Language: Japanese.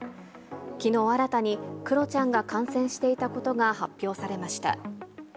きのう新たに、クロちゃんが感染していたことが発表されました。